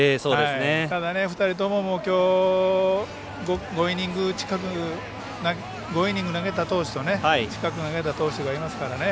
ただ、２人ともきょう５イニング投げた投手と５イニング近く投げた投手がいますからね。